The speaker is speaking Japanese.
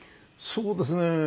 そうですね。